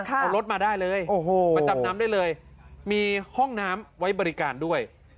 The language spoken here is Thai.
เอารถมาได้เลยมาจำน้ำได้เลยมีห้องน้ำไว้บริการด้วย